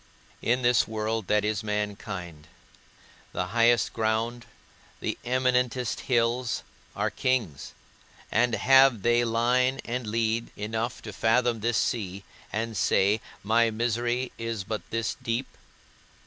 In this world that is mankind, the highest ground, the eminentest hills, are kings; and have they line and lead enough to fathom this sea, and say, My misery is but this deep?